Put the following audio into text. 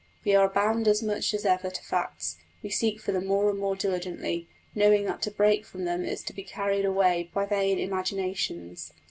We are bound as much as ever to facts; we seek for them more and more diligently, knowing that to break from them is to be carried away by vain imaginations.